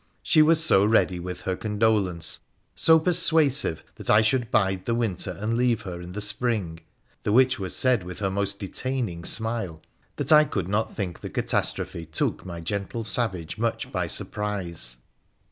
She was so ready with her condolence, so persuasive that I should ' bide the winter and leave her in the spring ' (the which was said with her most detaining smile), that I could not think the catastrophe took my gentle savage much by surprise.